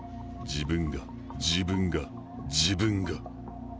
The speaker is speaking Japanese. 「自分が自分が自分が」。